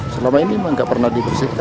selama ini memang tidak pernah dibersihkan